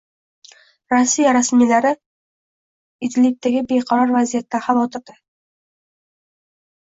Rossiya rasmiylari Idlibdagi beqaror vaziyatdan xavotirda